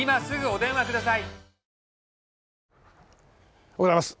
おはようございます。